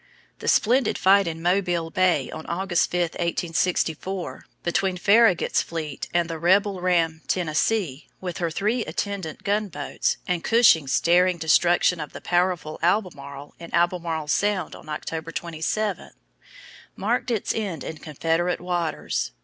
The splendid fight in Mobile Bay on August 5, 1864, between Farragut's fleet and the rebel ram Tennessee, with her three attendant gunboats, and Cushing's daring destruction of the powerful Albemarle in Albemarle Sound on October 27, marked its end in Confederate waters.